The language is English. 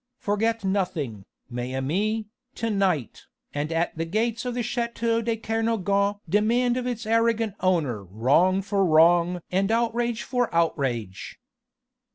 Forget nothing, mes amis, to night, and at the gates of the château de Kernogan demand of its arrogant owner wrong for wrong and outrage for outrage."